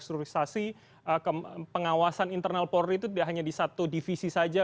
kita membagi merestorisasi pengawasan internal polri itu hanya di satu divisi saja